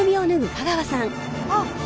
あっ。